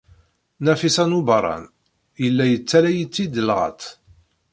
Nafisa n Ubeṛṛan yella yettaley-itt-id lɣeṭṭ.